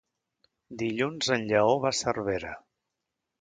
Dilluns en Lleó va a Cervera.